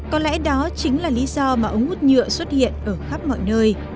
có lẽ đó chính là lý do mà ống hút nhựa xuất hiện ở khắp mọi nơi